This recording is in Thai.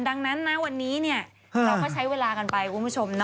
ดังนั้นนะวันนี้เราก็ใช้เวลากันไปคุณผู้ชมนะ